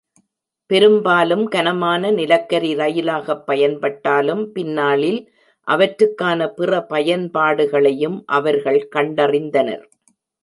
பெரும்பாலும் கனமான நிலக்கரி ரயிலாகப் பயன்பட்டாலும், பின்னாளில் அவற்றுக்கான பிற பயன்பாடுகளையும் அவர்கள் கண்டறிந்தனர்.